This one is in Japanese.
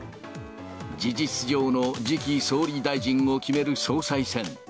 事実上の次期総理大臣を決める総裁選。